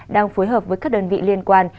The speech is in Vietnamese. đang phối hợp với các đơn vị liên quan